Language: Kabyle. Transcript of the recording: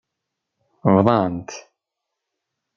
Bḍant.